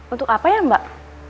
untuk apa ya mbak